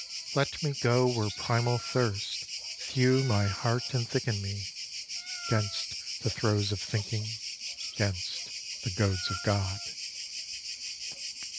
Let me go where primal thirsts Thew my heart and thicken me 'Gainst the throes of thinking, 'Gainst the goads of God.